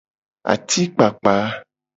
Atikpakpa.